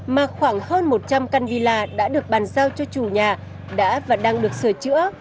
mà khoảng hơn một trăm linh căn villa đã được bàn giao cho chủ nhà đã và đang được sửa chữa